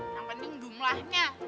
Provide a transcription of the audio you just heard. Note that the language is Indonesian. yang penting jumlahnya